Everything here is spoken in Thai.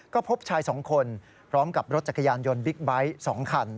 ก็พบชาย๒คนพร้อมกับรถจักรยานยนต์บิ๊กไบท์๒คัน